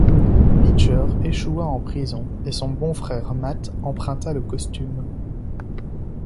Beacher échoua en prison, et son beau-frère Matt emprunta le costume.